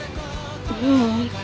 ううん。